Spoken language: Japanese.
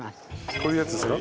こういうやつですか？